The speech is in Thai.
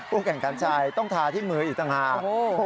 แข่งขันชายต้องทาที่มืออีกต่างหาก